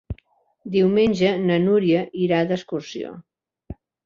Diumenge na Núria irà d'excursió.